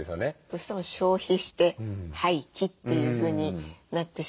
どうしても消費して廃棄っていうふうになってしまいますもんね。